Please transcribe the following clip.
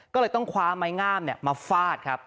ก็เลยต้องคว้าไม้งามมาฟาดครับ